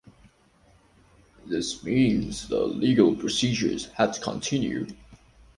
This means the legal procedures have to continue.